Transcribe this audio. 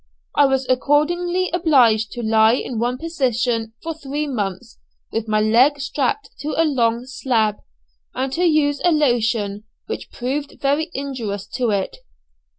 I was accordingly obliged to lie in one position for three months with my leg strapped to a long slab, and to use a lotion which proved very injurious to it.